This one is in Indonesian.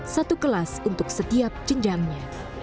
satu kelas untuk setiap jenjangnya